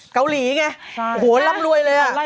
เกาหลีไงโหร่ำรวยเลยอ่ะใช่ใช่